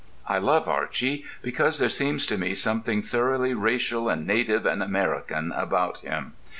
I love Archy because there seems to me something thoroughly racial and native and American about him.